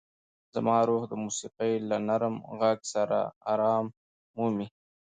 زما روح د موسیقۍ له نرم غږ سره ارام مومي.